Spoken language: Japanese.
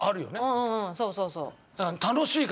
うんうんうんそうそうそう。